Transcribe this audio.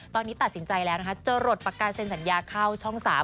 ตอนนี้ตัดสินใจแล้วนะคะจะหลดปากกาเซ็นสัญญาเข้าช่อง๓